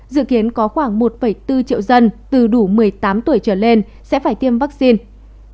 dự kiến có khoảng một bốn triệu dân từ đủ một mươi tám tuổi trở lên sẽ phải tiêm vaccine